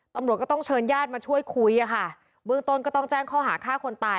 ตำรวจก็ต้องเชิญญาติมาช่วยคุยอะค่ะเบื้องต้นก็ต้องแจ้งข้อหาฆ่าคนตาย